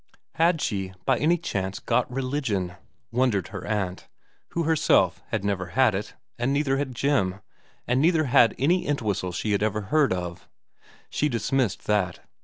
Had she by any chance got religion ? wondered her aunt, who herself had never had it, and neither had Jim, and neither had any Entwhistles she had ever heard of. She dismissed that.